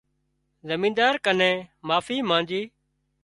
زمينۮار ڪنين معافي مانڄي